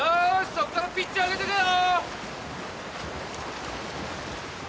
そこからピッチ上げてけよ！